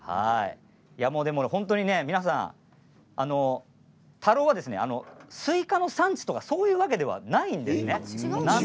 本当に皆さん田老はスイカの産地とかそういうわけではないんですね。